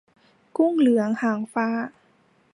กุ้งเหลืองหางฟ้า